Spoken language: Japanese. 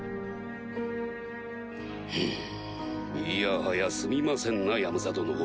いやはやすみませんなヤムザ殿。